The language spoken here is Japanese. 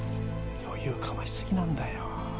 余裕かましすぎなんだよ。